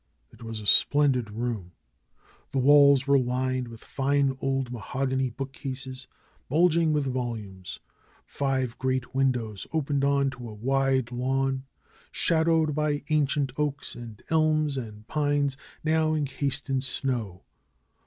It was a splendid room. The walls were lined with fine old mahogany hook cases, bulging with volumes. Five great windows opened on to a wide lawn, shad owed by ancient oaks, and elms, and pines, now encased in snow.